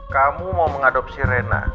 kamu mau mengadopsi rena